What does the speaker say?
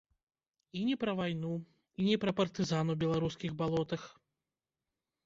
І не пра вайну, і не пра партызан у беларускіх балотах.